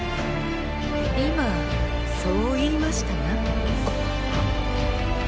今そう言いましたが？